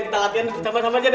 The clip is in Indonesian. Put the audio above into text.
kita latihan sama sama aja den